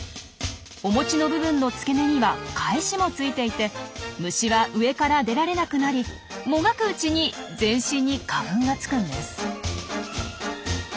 お餅の部分の付け根には「返し」もついていて虫は上から出られなくなりもがくうちに全身に花粉がつくんです。